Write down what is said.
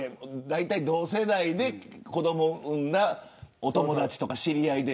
同世代で子どもを産んだお友達とか知り合いで。